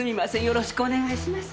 よろしくお願いします